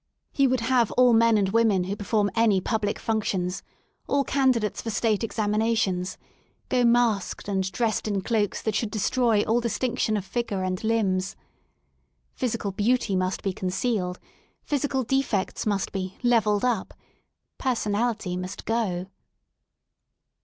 He would have all men and women who perform any public functions, all candidates for State examinations, go masked and dressed in cloaks that should destroy all distinction of figure and limbs. Physical beauty must be concealed, physical defects must be '* levelled up; personality must go.